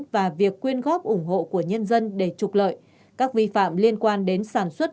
và việc quyên góp ủng hộ của nhân dân để trục lợi các vi phạm liên quan đến sản xuất